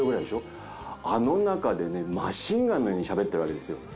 あの中でねマシンガンのようにしゃべってるわけですよ。